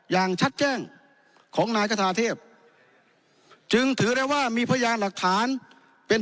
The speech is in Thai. อย่างชัดแจ้งของนายกระทาเทพจึงถือได้ว่ามีพยานหลักฐานเป็น